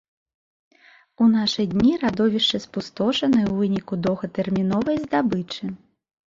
У нашы дні радовішчы спустошаны ў выніку доўгатэрміновай здабычы.